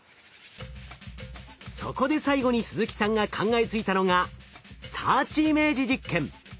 そこで最後に鈴木さんが考えついたのがサーチイメージ実験。